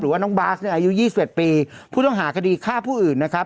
ว่าน้องบาสเนี่ยอายุ๒๑ปีผู้ต้องหาคดีฆ่าผู้อื่นนะครับ